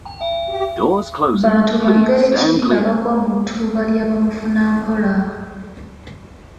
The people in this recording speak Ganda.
Bantu ba ngeri ki abagwa mu ttuluba lya bamufunampola?